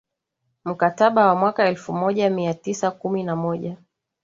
mkataba wa mwaka elfu moja mia tisa kumi na moja